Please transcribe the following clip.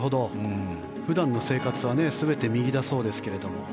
普段の生活は全て右だそうですけど。